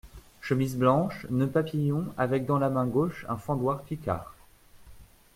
chemise blanche, nœud papillon, avec dans la main gauche un fendoir picard.